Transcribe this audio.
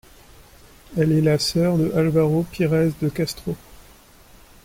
Elle est la sœur de Álvaro Pirez de Castro.